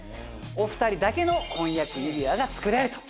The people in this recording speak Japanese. お２人だけの婚約指輪が作れると。